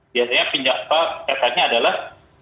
biasanya pinjaman efeknya adalah